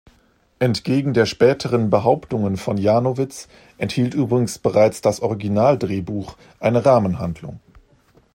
Entgegen den späteren Behauptungen von Janowitz enthielt übrigens bereits das Originaldrehbuch eine Rahmenhandlung.